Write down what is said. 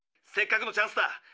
せっかくのチャンスだ。